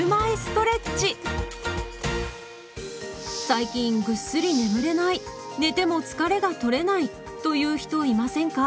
最近ぐっすり眠れない寝ても疲れがとれないという人いませんか？